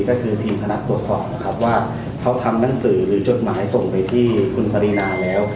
ก็คือทีมคณะตรวจสอบนะครับว่าเขาทำหนังสือหรือจดหมายส่งไปที่คุณปรินาแล้ว